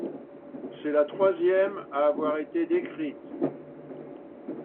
C'est la troisième à avoir été décrite.